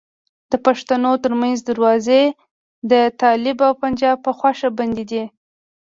د پښتنو ترمنځ دروازې د طالب او پنجاب په خوښه بندي دي.